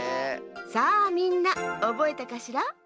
さあみんなおぼえたかしら？